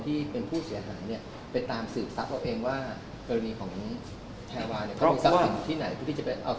ที่จะไปเอาทรัพย์นั้นมาชดใช้